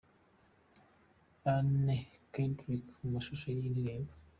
Anna Kendrick mu mashusho y'iyi ndirimbo.